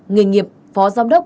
người nghiệp phó giám đốc